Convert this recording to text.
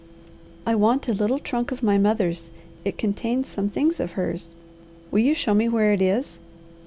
"I want a little trunk of my mother's. It contains some things of hers." "Will you show me where it is?"